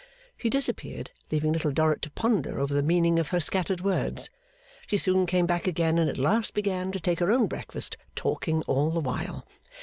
She disappeared, leaving Little Dorrit to ponder over the meaning of her scattered words. She soon came back again; and at last began to take her own breakfast, talking all the while.